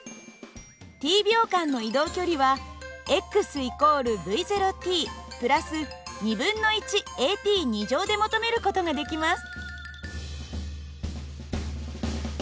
ｔ秒間の移動距離は＝υｔ＋ａｔで求める事ができます。